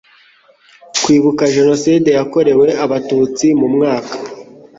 kwibuka Jenoside yakorewe Abatutsi Mu mwaka